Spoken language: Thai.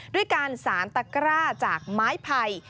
ด้วยการสารตะกร้าจากไม้ไผ่